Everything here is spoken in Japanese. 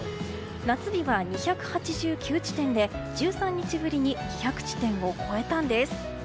夏日は２８９地点で１３日ぶりに２００地点を超えたんです。